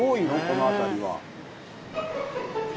この辺りは。